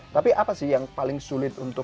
tapi apa sih yang paling sulit untuk